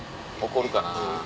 怒るかな。